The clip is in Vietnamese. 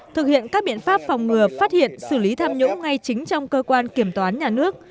thực hiện các biện pháp phòng ngừa phát hiện xử lý tham nhũng ngay chính trong cơ quan kiểm toán nhà nước